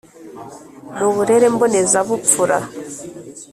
mu burere mbonezabupfura